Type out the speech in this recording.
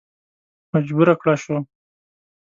مجبور کړه شو.